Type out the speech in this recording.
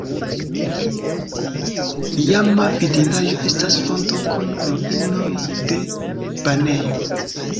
Iama vidindaĵo estas fonto kun ruinoj de banejo.